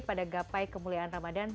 pada gapai kemuliaan ramadan